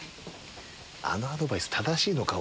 あのアドバイス正しいのか？